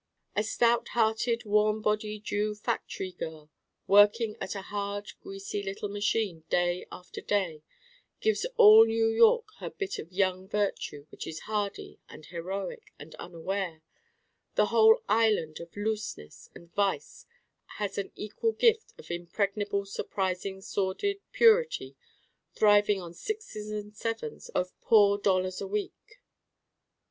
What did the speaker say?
A stout hearted worn bodied Jew factory girl working at a hard greasy little machine day after day gives all New York her bit of young virtue which is hardy and heroic and unaware: the whole Island of looseness and vice has an equal gift of impregnable surprising sordid purity thriving on sixes and sevens of poor dollars a week.